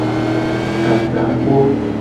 Ka takpo.